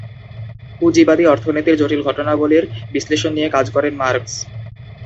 পুঁজিবাদী অর্থনীতির জটিল ঘটনাবলীর বিশ্লেষণ নিয়ে কাজ করেন মার্কস।